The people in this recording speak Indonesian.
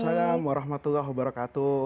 waalaikumsalam warahmatullahi wabarakatuh